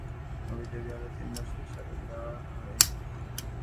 একই সঙ্গে তাঁদের আরেকটি অভিযোগে আরও তিন বছরের সাজা দেওয়া হয়।